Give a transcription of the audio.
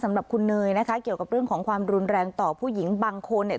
สำหรับคุณเนยนะคะเกี่ยวกับเรื่องของความรุนแรงต่อผู้หญิงบางคนเนี่ย